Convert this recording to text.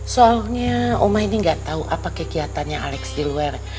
soalnya oma ini gak tau apa kekiatannya alex di luar